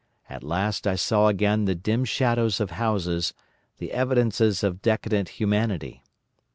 At last I saw again the dim shadows of houses, the evidences of decadent humanity.